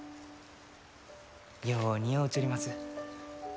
よう似合うちょります。